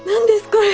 これ！？